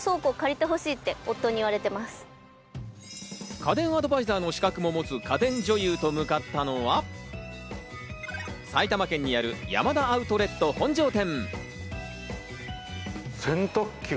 家電アドバイザーの資格も持つ家電女優と向かったのは、埼玉県にあるヤマダアウトレット本庄店。